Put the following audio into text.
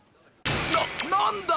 な何だ！